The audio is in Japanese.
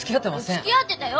つきあってたよ！